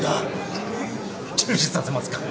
ふっ中止させますか？